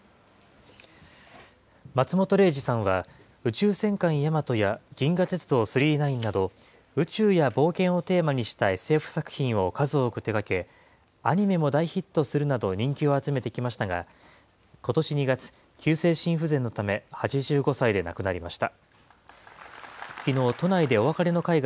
松本零士さんは宇宙戦艦ヤマトや銀河鉄道９９９など、宇宙や冒険をテーマにしたＳＦ作品を数多く手がけ、アニメも大ヒットするなど人気を集めてきましたが、ことし２月、急性心不全のため、８５歳で亡くなりました。